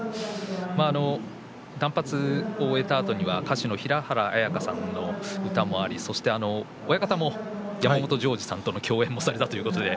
断髪を終えたあとには歌手の平原綾香さんの歌もありそして親方も山本譲二さんとの共演もされたということで